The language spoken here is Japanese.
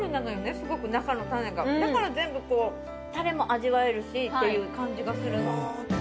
すごく中のタネがだから全部タレも味わえるしっていう感じがするの。